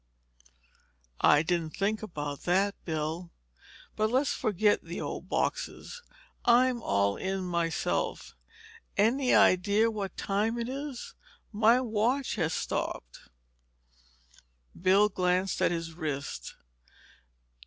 "I didn't think about that, Bill. But let's forget the old boxes. I'm all in myself. Any idea what time it is? My watch has stopped." Bill glanced at his wrist.